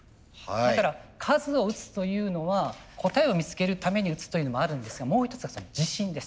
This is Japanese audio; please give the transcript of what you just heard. だから数を打つというのは答えを見つけるために打つというのもあるんですがもう一つは自信です。